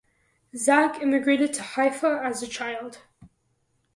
Zach immigrated to Haifa as a child.